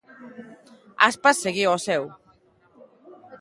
Aspas seguiu ao seu.